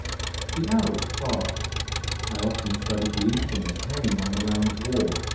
The hours passed. I often studied the instruments hanging on the lounge wall.